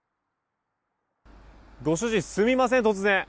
ご主人、すみません。